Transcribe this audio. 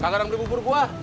kak karang beli bubur buah